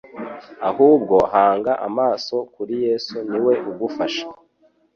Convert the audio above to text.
ahubwo hanga amaso kuri Yesu ni we ugufasha.